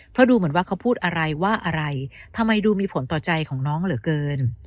เพราะดูเหมือนว่าเขาพูดอะไรว่าอะไรทำไมดูมีผลต่อใจของน้องเหลือเกิน